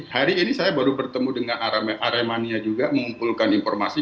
hari ini saya baru bertemu dengan aremania juga mengumpulkan informasi